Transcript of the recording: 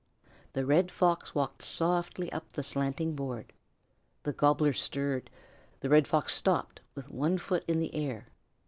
The Red Fox walked softly up the slanting board. The Gobbler stirred. The Red Fox stopped with one foot in the air.